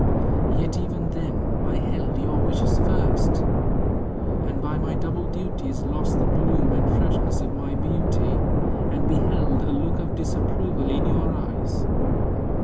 Yet even then, I held your wishes first; And by my double duties lost the bloom And freshness of my beauty; and beheld A look of disapproval in your eyes.